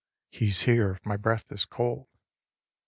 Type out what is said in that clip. He's here if my breath is cold.